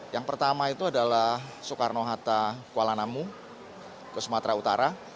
yang pertama itu adalah soekarno hatta kuala namu ke sumatera utara